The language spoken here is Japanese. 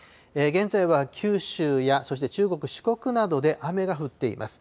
現在は九州やそして中国、四国などで雨が降っています。